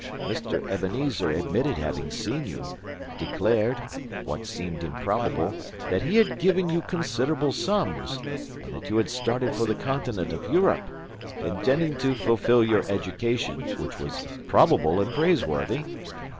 Mr. Ebenezer admitted having seen you; declared (what seemed improbable) that he had given you considerable sums; and that you had started for the continent of Europe, intending to fulfil your education, which was probable and praiseworthy.